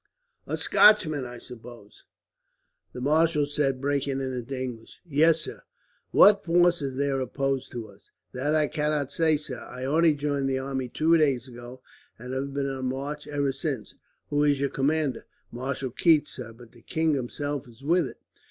"A Scotchman, I suppose?" the marshal said, breaking into English. "Yes, sir." "What force is there opposed to us?" "That I cannot say, sir. I only joined the army two days ago, and have been on the march ever since." "Who is its commander?" "Marshal Keith, sir; but the king himself is with it."